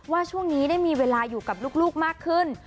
ว่าช่วงนี้ได้มีเวลาอยู่กับลูกมากขึ้น